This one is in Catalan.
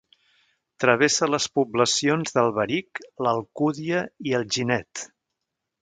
Travessa les poblacions d'Alberic, l'Alcúdia i Alginet.